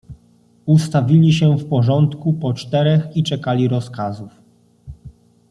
Ustawili się w porządku, po czterech i czekali rozkazów.